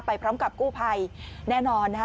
พร้อมกับกู้ภัยแน่นอนนะคะ